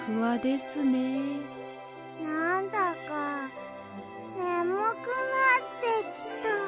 なんだかねむくなってきた。